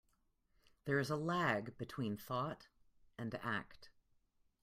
There is a lag between thought and act.